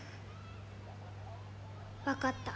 分かった。